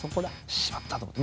しまった！と思って。